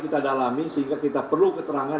kita dalami sehingga kita perlu keterangan